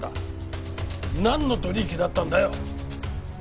なんの取引だったんだよ！？